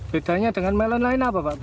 bedanya dengan melon lain apa pak